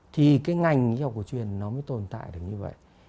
thì cái ngành y học cổ truyền nó mới tồn tại được như vậy